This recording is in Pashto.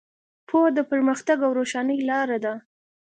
پوهه د پرمختګ او روښنایۍ لاره ده.